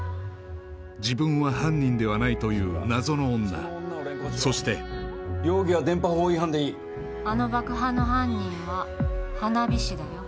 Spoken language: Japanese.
自分は犯人ではないという謎の女そして容疑は電波法違反でいいあの爆破の犯人は花火師だよ